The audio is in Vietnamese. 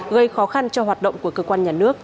gây khó khăn cho hoạt động của cơ quan nhà nước